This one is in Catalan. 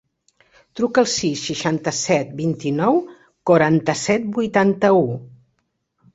Truca al sis, seixanta-set, vint-i-nou, quaranta-set, vuitanta-u.